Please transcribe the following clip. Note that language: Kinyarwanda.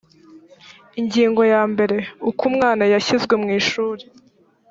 ingingo ya mbere uko umwana washyizwe mu ishuri